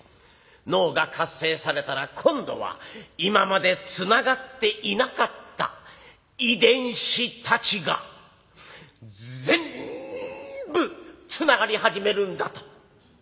脳が活性されたら今度は今までつながっていなかった遺伝子たちが全部つながり始めるんだ」と。